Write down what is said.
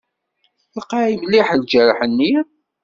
Lqay mliḥ ljerḥ-nni?